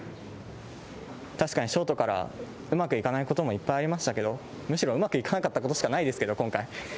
確かにショートからうまくいかないこともいっぱいありましたけど、むしろうまくいかなかったことしかないですけど、今回。